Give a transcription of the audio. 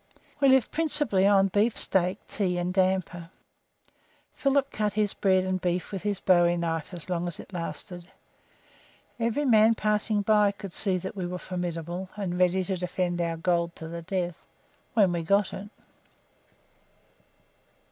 We lived principally on beef steak, tea, and damper. Philip cut his bread and beef with his bowie knife as long as it lasted. Every man passing by could see that we were formidable, and ready to defend our gold to the death when we got it.